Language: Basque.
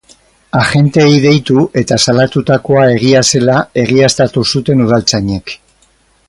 Agenteei deitu eta salatutakoa egia zela egiaztatu zuten udaltzainek.